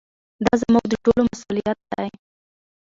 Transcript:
دا زموږ د ټولو مسؤلیت دی.